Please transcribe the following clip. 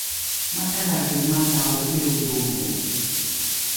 matalaki madhao ’iobongo